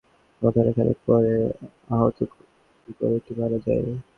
লোকজন এসে আগুন নেভানোর ঘণ্টা খানেক পরে আহত গরুটি মারা যায়।